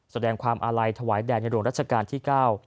แสดงความอาลัยถวายแด่ในหลวงรัชกาลที่เก้า